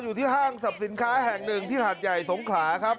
อยู่ที่ห้างศัพท์สินค้าแห่งหนึ่งที่หัดใหญ่สงขราครับ